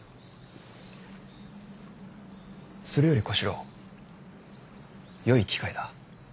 それより小四郎よい機会だ。